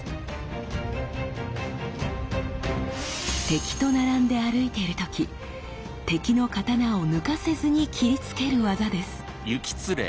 敵と並んで歩いている時敵の刀を抜かせずに斬りつける業です。